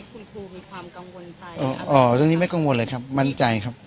คุณครูมีความกังวลใจอ๋อเรื่องนี้ไม่กังวลเลยครับมั่นใจครับ